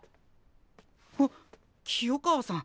あっ清川さん。